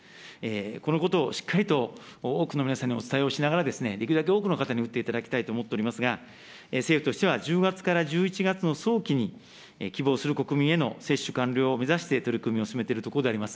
このことをしっかりと多くの皆さんにお伝えをしながら、できるだけ多くの方に打っていただきたいと思っておりますが、政府としては１０月から１１月の早期に希望する国民への接種完了を目指して、取り組みを進めているところであります。